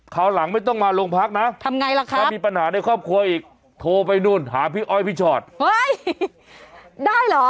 เข้าหลังไม่ต้องมาโรงพักนะถ้ามีปัญหาในครอบครัวอีกโทรไปนู่นหาพี่อ้อยพี่ชอดโทรไปนู่นหาพี่อ้อยพี่ชอด